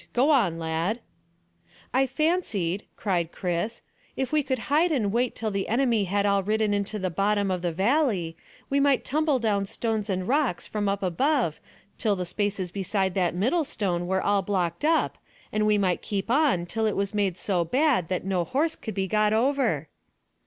Go on, lad." "I fancied," cried Chris, "if we could hide and wait till the enemy had all ridden into the bottom of the valley, we might tumble down stones and rocks from up above till the spaces beside that middle stone were all blocked up, and we might keep on till it was made so bad that no horse could be got over."